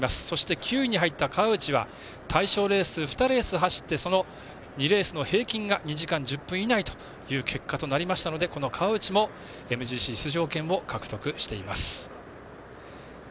そして９位に入った川内は対象レース、２レース走ってその２レースの平均が２時間１０分いないという結果になりましたので、川内もＭＧＣ出場権を獲得しています。